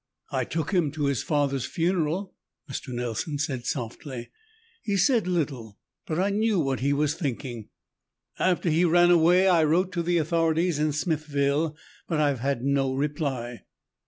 "I took him to his father's funeral," Mr. Nelson said softly. "He said little, but I knew what he was thinking. After he ran away, I wrote to the authorities in Smithville, but I've had no reply."